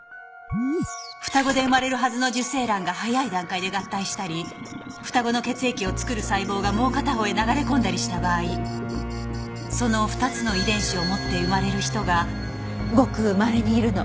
双子で生まれるはずの受精卵が早い段階で合体したり双子の血液を作る細胞がもう片方へ流れ込んだりした場合その２つの遺伝子を持って生まれる人がごくまれにいるの。